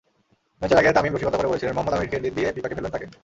ম্যাচের আগে তামিম রসিকতা করে বলেছিলেন, মোহাম্মদ আমিরকে দিয়ে বিপাকে ফেলবেন তাঁকে।